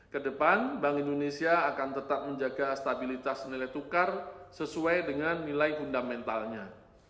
kedepan bank indonesia akan tetap menjaga stabilitas nilai tukar sesuai dengan nilai fundamentalnya